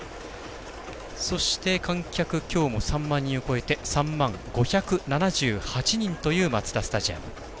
そして、観客きょうも３万人を超えて３万５７８人というマツダスタジアム。